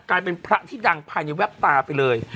กลายเป็นพระที่ดังภายในแวบตาไปเลย